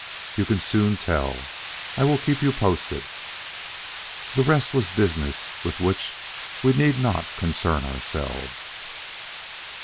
You can soon tell. I will keep you posted." The rest was business with which we need not concern ourselves.